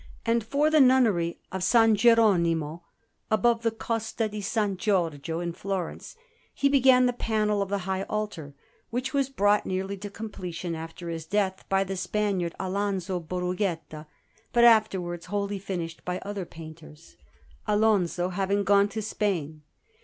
And for the Nunnery of S. Geronimo, above the Costa di S. Giorgio in Florence, he began the panel of the high altar, which was brought nearly to completion after his death by the Spaniard Alonzo Berughetta, but afterwards wholly finished by other painters, Alonzo having gone to Spain.